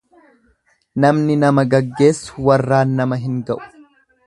Namni nama gaggeessu warraan nama hin ga'u.